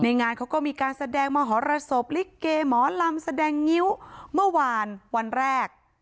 งานเขาก็มีการแสดงมหรสบลิเกหมอลำแสดงงิ้วเมื่อวานวันแรก